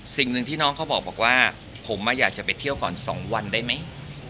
สิ่งหนึ่งที่น้องเขาบอกว่าผมอยากจะไปเที่ยวก่อน๒วันได้ไหม